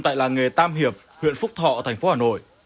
tại làng nghề tam hiệp huyện phúc thọ thành phố hà nội